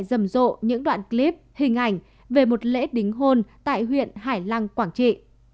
rầm rộ những đoạn clip hình ảnh về một lễ đính hôn tại huyện hải lăng quảng trị